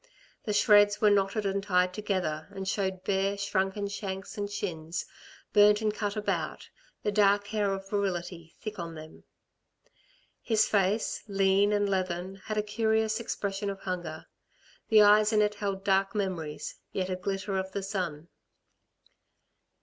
The shreds were knotted and tied together, and showed bare, shrunken shanks and shins, burnt and cut about, the dark hair of virility thick on them. His face, lean and leathern, had a curious expression of hunger. The eyes in it held dark memories, yet a glitter of the sun.